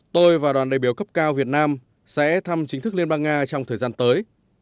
tôi và đoàn đại biểu cấp cao việt nam sẽ thăm chính thức liên bang nga trong thời gian tới